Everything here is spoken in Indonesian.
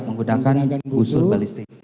menggunakan busur balistik